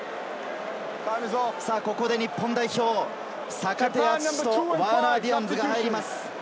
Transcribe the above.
ここで日本代表、坂手淳史とワーナー・ディアンズが入ります。